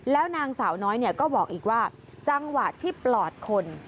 แล้วนางสาวน้อยก็บอกอีกว่าจังหวะที่ปลอดคน